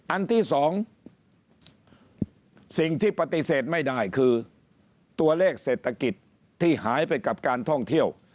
อันที่สองสิ่งที่ปฏิเสธไม่ได้คือตัวเลขเศรษฐกิจที่หายไปกับการท่องเที่ยว